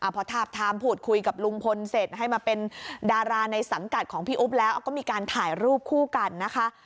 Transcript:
พอทาบทามพูดคุยกับลุงพลเสร็จให้มาเป็นดาราในสังกัดของพี่อุ๊บแล้วก็มีการถ่ายรูปคู่กันนะคะ